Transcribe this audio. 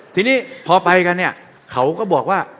ทีนี้พอไปกันเนี่ยเขาก็บอกว่า